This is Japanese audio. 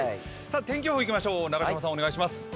天気予報いきましょう、中島さんお願いします。